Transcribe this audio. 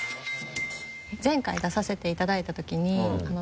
前回出させていただいたときにあぁ。